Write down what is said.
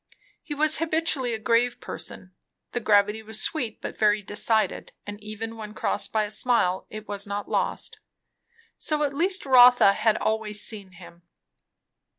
He was habitually a grave person; the gravity was sweet, but very decided, and even when crossed by a smile it was not lost. So at least Rotha had always seen him.